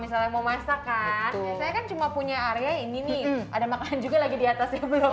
misalnya mau masakan saya kan cuma punya area ini nih ada makanan juga lagi di atasnya belum